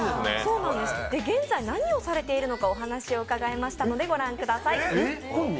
現在、何をされているのかお話を伺いましたので御覧ください。